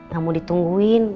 gak mau ditungguin